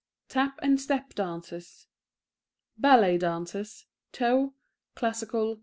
{Tap and Step Dances {Ballet Dances (Toe, Classical, Etc.)